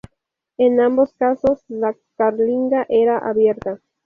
En ambos casos la carlinga era abierta.